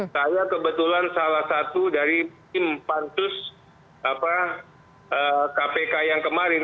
saya kebetulan salah satu dari tim pansus kpk yang kemarin